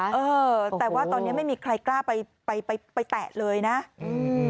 เออแต่ว่าตอนเนี้ยไม่มีใครกล้าไปไปไปแตะเลยนะอืม